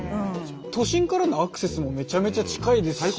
都心からのアクセスもめちゃめちゃ近いですし。